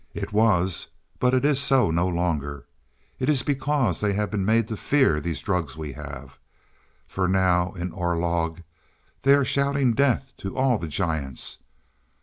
It was, but it is so no longer. It is because they have been made to fear these drugs we have. For now, in Orlog, they are shouting death to all the giants.